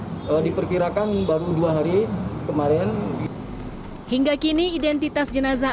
hai jenazah korban yang diperkirakan baru dua hari kemarin hingga kini identitas jenazah korban yang diperkirakan baru dua hari kemarin hingga kini identitas jenazah